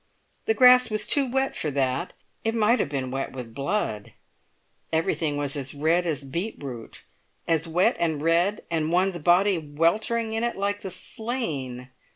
the grass was too wet for that. It might have been wet with blood. Everything was as red as beet root, as wet and red and one's body weltering in it like the slain!